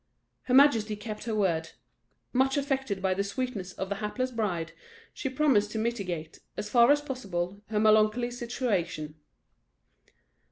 Her majesty kept her word. Much affected by the sweetness of the hapless bride, she promised to mitigate, as far as possible, her melancholy situation.